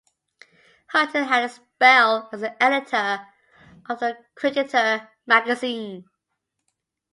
Hutton had a spell as editor of "The Cricketer" magazine.